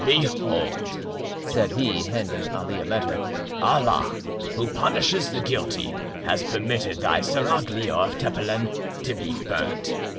"Behold!" said he, handing Ali a letter, "Allah, who punishes the guilty, has permitted thy seraglio of Tepelen to be burnt.